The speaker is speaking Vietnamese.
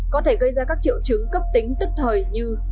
có thể gây ra các triệu chứng cấp tính tức thời như